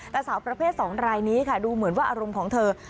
แต่สาวประเภท๒รายนี้ค่ะดูเหมือนว่าอารมณ์ของเธอ